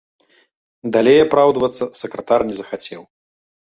Далей апраўдвацца сакратар не захацеў.